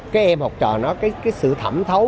cái em học trò nó cái sự thẩm thấu